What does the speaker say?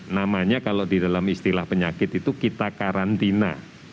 namanya kalau di dalam istilah penyakit itu kita karantina